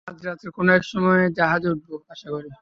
আজ রাত্রে কোন এক সময়ে জাহাজে উঠব, আশা করি।